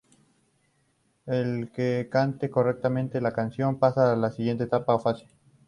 El que cante correctamente la canción, pasan a la siguiente etapa o fase.